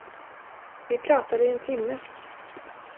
Vi pratade i en timme.